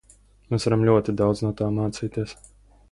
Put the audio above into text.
Mēs varam ļoti daudz no tām mācīties.